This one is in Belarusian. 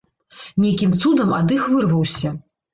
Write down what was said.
Нейкім цудам ад іх вырваўся.